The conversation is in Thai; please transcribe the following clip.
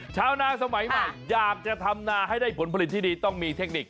ชาวนาสมัยใหม่อยากจะทำนาให้ได้ผลผลิตที่ดีต้องมีเทคนิค